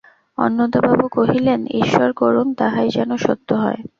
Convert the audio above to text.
অন্নদাবাবু কহিলেন, ঈশ্বর করুন, তাহাই যেন সত্য হয়।